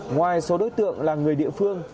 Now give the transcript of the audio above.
ngoài số đối tượng là người địa phương